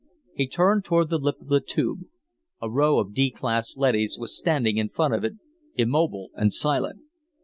He turned toward the lip of the Tube. A row of D class leadys was standing in front of it, immobile and silent.